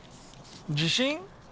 自信？